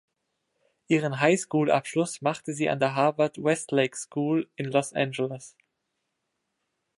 Ihren High School-Abschluss machte sie an der Harvard-Westlake-School in Los Angeles.